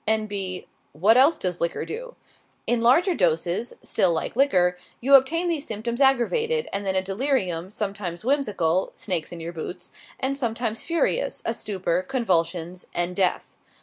(N. B. What else does liquor do?) In larger doses (still like liquor,) you obtain these symptoms aggravated; and then a delirium, sometimes whimsical (snakes in your boots) and sometimes furious, a stupor, convulsions, and death.